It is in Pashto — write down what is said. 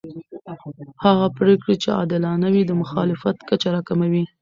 هغه پرېکړې چې عادلانه وي د مخالفت کچه راکموي